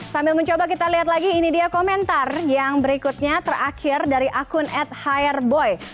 sambil mencoba kita lihat lagi ini dia komentar yang berikutnya terakhir dari akun at hire boy